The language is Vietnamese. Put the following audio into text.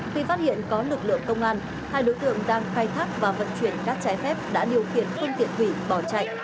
khi phát hiện có lực lượng công an hai đối tượng đang khai thác và vận chuyển cát trái phép đã điều khiển phương tiện thủy bỏ chạy